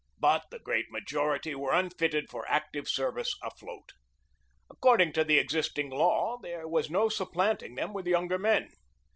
But the great majority were unfitted for active service afloat. According to the existing law there was no supplanting them with younger men.